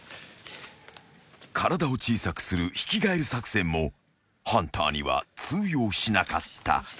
［体を小さくするヒキガエル作戦もハンターには通用しなかった］